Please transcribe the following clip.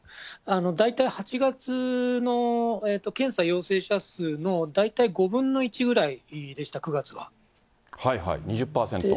大体８月の検査陽性者数の大体５分の１ぐらいでした、２０％。